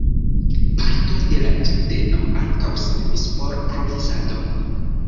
Parto de la ĝardeno ankaŭ servis por provizado.